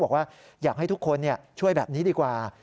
บอกว่าอยากให้ทุกคนช่วยแบบนี้ดีกว่า